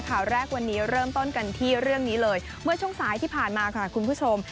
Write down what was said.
ข่าวแรกวันนี้เริ่มต้นกันที่เรื่องนี้เลยเมื่อช่วงสายที่ผ่านมาค่ะคุณผู้ชม